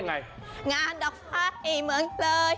งานดอกไฟเมืองเลย